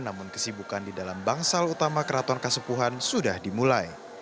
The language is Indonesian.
namun kesibukan di dalam bangsal utama keraton kasepuhan sudah dimulai